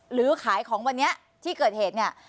หรือขายของวันนี้ที่เกิดเหตุเนี่ย